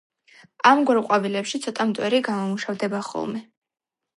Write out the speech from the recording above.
ამგვარ ყვავილებში ცოტა მტვერი გამომუშავდება ხოლმე.